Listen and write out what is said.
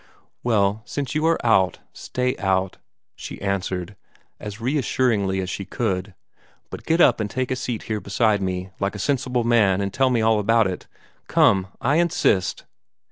"Well, since you are out, stay out," she answered, as reassuringly as she could. "But get up and take a seat here beside me, like a sensible man, and tell me all about it. Come! I insist!"